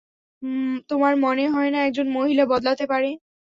তোমার মনে হয় না একজন মহিলা বদলাতে পারে?